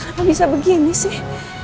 kenapa bisa begini sih